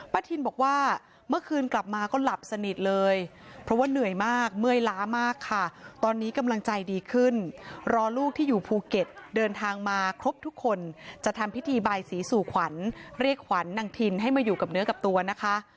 ทินบอกว่าเมื่อคืนกลับมาก็หลับสนิทเลยเพราะว่าเหนื่อยมากเมื่อยล้ามากค่ะตอนนี้กำลังใจดีขึ้นรอลูกที่อยู่ภูเก็ตเดินทางมาครบทุกคนจะทำพิธีบายสีสู่ขวัญเรียกขวัญนางทินให้มาอยู่กับเนื้อกับตัวนะคะ